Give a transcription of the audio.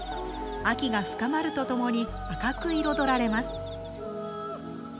秋が深まるとともに赤く彩られます。